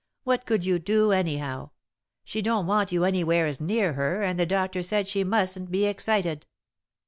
What could you do, anyhow? She don't want you anywheres near her, and the doctor said she mustn't be excited."